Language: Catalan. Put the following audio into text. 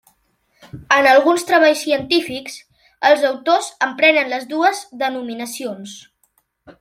En alguns treballs científics els autors empren les dues denominacions.